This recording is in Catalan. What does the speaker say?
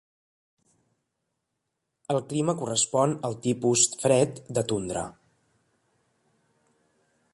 El clima correspon al tipus fred de tundra.